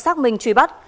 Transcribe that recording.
xác minh truy bắt